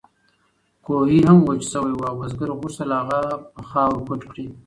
کوهی هم وچ شوی و او بزګر غوښتل هغه په خاورو پټ کړي.